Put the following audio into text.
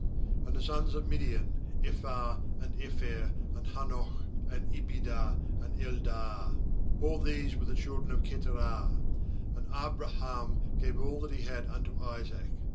4And the sons of Midian: Ephah, and Epher, and Hanoch, and Abida, and Eldaah. All these were the children of Keturah. 5And Abraham gave all that he had unto Isaac.